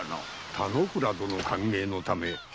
田之倉殿歓迎のためはるばる